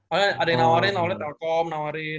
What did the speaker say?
oh ada yang nawarin awalnya telkom nawarin